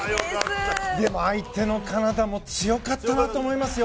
相手のカナダも強かったなと思いますよ。